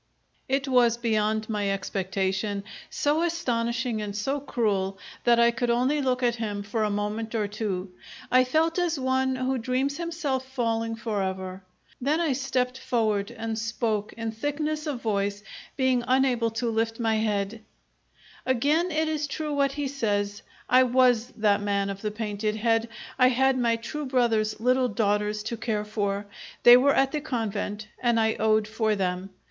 It was beyond my expectation, so astonishing and so cruel that I could only look at him for a moment or two. I felt as one who dreams himself falling forever. Then I stepped forward and spoke, in thickness of voice, being unable to lift my head: "Again it is true what he says. I was that man of the painted head. I had my true brother's little daughters to care for. They were at the convent, and I owed for them.